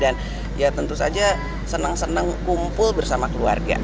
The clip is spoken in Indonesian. dan ya tentu saja seneng seneng kumpul bersama keluarga